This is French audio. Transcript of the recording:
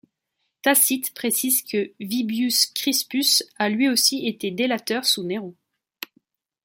Tacite précise que Vibius Crispus a lui aussi été délateur sous Néron.